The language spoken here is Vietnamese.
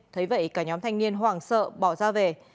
thế vậy cả nhóm thanh niên hoảng sợ bỏ ra về